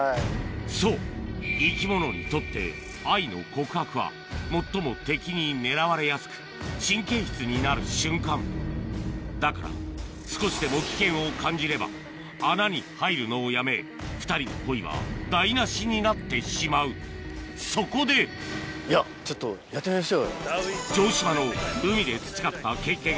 そう生き物にとって愛の告白は最も敵に狙われやすく神経質になる瞬間だから少しでも危険を感じれば穴に入るのをやめ２人の恋は台無しになってしまうそこで城島のあぁ！